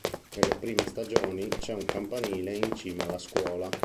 Nelle prime stagioni c'è un campanile in cima alla scuola.